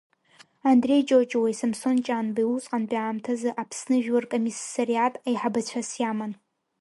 Андреи Ҷоҷуеи Самсон Ҷанбеи усҟантәи аамҭазы Аԥсны жәлар ркомиссариат еиҳабацәас иаман.